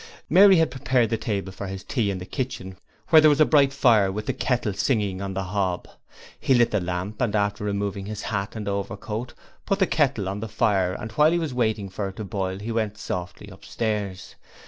Mary had prepared the table for his tea in the kitchen, where there was a bright fire with the kettle singing on the hob. He lit the lamp and after removing his hat and overcoat, put the kettle on the fire and while he was waiting for it to boil he went softly upstairs.